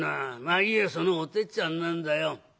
まあいいやそのおてっちゃんなんだよ。